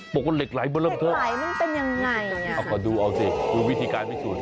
บอกว่าเหล็กไหล่บ้างแล้วเธออ่ะดูเอาสิดูวิธีการพิสูจน์